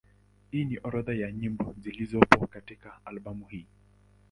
Hii ni orodha ya nyimbo zilizopo katika albamu hii.